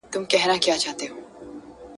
که تاسو ناوړه څه په خوب کي وليدل، نو لمونځ وکړئ.